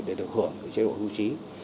để chế độ hưu trí